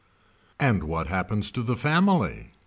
And what happens to the family.